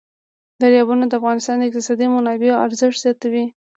دریابونه د افغانستان د اقتصادي منابعو ارزښت زیاتوي.